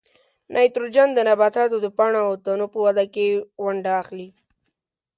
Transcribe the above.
نایتروجن د نباتاتو د پاڼو او تنو په وده کې ونډه اخلي.